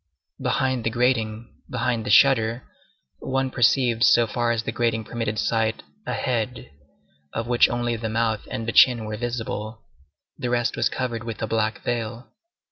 Behind the grating, behind the shutter, one perceived so far as the grating permitted sight, a head, of which only the mouth and the chin were visible; the rest was covered with a black veil.